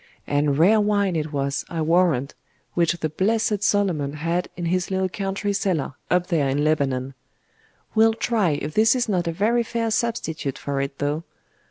And rare wine it was, I warrant, which the blessed Solomon had in his little country cellar up there in Lebanon. We'll try if this is not a very fair substitute for it, though.